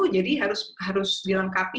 jadi harus dilengkapi